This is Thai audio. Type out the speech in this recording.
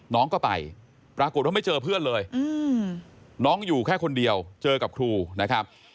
น้องก็ไปปรากฏว่าไม่เจอเพื่อนเลยน้องอยู่แค่คนเดียวเจอกับครูนะครับ